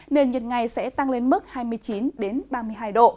nền nhiệt ngày sẽ tăng lên mức hai mươi chín ba mươi hai độ